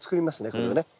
これでね。